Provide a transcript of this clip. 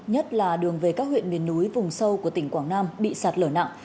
nhất là đường về các huyện miền núi vùng sâu của tỉnh quảng nam bị sạt lở nặng